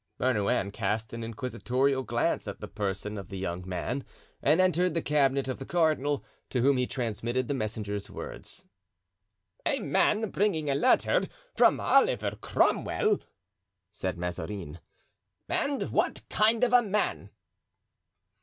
Bernouin cast an inquisitorial glance at the person of the young man and entered the cabinet of the cardinal, to whom he transmitted the messenger's words. "A man bringing a letter from Oliver Cromwell?" said Mazarin. "And what kind of a man?"